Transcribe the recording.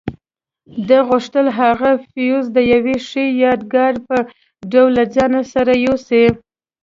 ده غوښتل هغه فیوز د یوې ښې یادګار په ډول له ځان سره یوسي.